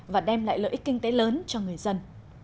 và đem lại lợi ích kinh tế lớn cho người dân